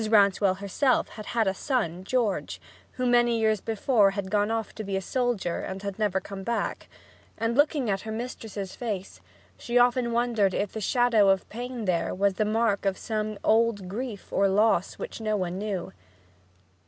Rouncewell herself had had a son George, who many years before had gone off to be a soldier and had never come back; and, looking at her mistress's face, she often wondered if the shadow of pain there was the mark of some old grief or loss of which no one knew.